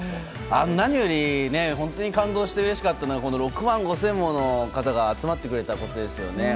何より本当に感動してうれしかったのが６万５０００人もの方が集まってくれたことですよね。